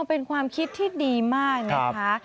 เป็นความคิดที่ดีมากนะคะ